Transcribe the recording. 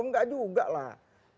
enggak juga lah